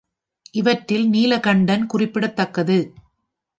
இவற்றில் நீலகண்டன் குறிப்பிடத்தக்கது.